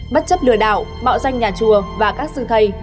bất chấp lừa đảo mạo danh nhà chùa và các sư thầy